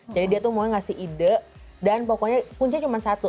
jadi dia tuh mau ngasih ide dan pokoknya puncanya cuma satu